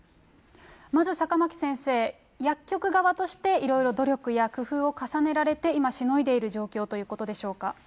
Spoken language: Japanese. まず坂巻先生、薬局側として、いろいろ努力や工夫を重ねられて、今、しのいでいる状況ということでしょうか。